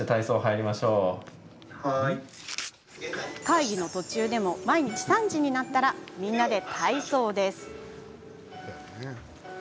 会議の途中でも毎日３時になったらみんなで体操。